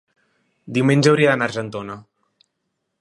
diumenge hauria d'anar a Argentona.